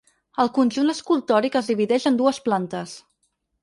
El conjunt escultòric es divideix en dues plantes.